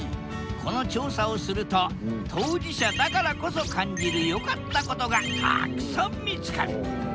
この調査をすると当事者だからこそ感じる良かったことがたっくさん見つかる。